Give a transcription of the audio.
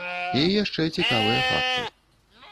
І яшчэ цікавыя факты.